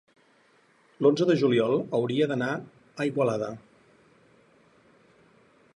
l'onze de juliol hauria d'anar a Igualada.